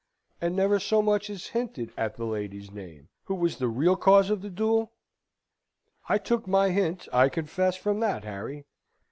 and never so much as hinted at the lady's name, who was the real cause of the duel? I took my hint, I confess, from that, Harry.